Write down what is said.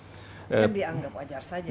dan dianggap wajar saja